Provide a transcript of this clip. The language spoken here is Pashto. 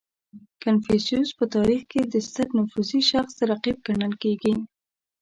• کنفوسیوس په تاریخ کې د ستر نفوذي شخص رقیب ګڼل کېږي.